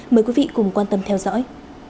mời quý vị cùng quan tâm theo dõi